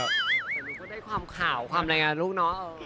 ก็ได้ความขาวว่าอะไรอย่างนี้ลูกน้อง